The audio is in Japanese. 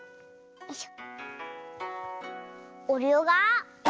よいしょ。